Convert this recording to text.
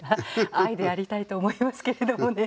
愛でありたいと思いますけれどもね。